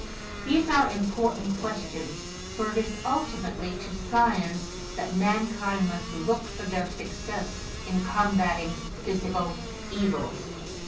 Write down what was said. These are important questions; for it is ultimately to science that mankind must look for their success in combating physical evils.